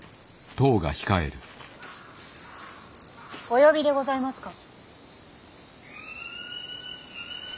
お呼びでございますか。